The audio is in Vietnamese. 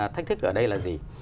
thách thức ở đây là gì